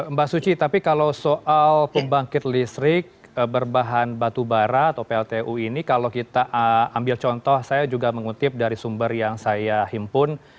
mbak suci tapi kalau soal pembangkit listrik berbahan batu bara atau pltu ini kalau kita ambil contoh saya juga mengutip dari sumber yang saya himpun